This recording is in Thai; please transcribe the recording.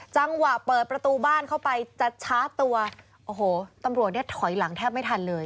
จังหวะเปิดประตูบ้านเข้าไปจะชาร์จตัวโอ้โหตำรวจเนี่ยถอยหลังแทบไม่ทันเลย